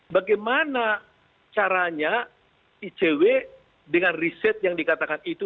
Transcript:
bagaimana caranya icw dengan riset yang dikatakan itu